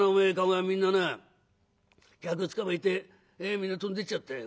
駕籠屋みんなな客つかまえてみんな飛んでっちゃったよ。